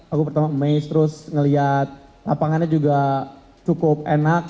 aku pertama mace terus ngeliat lapangannya juga cukup enak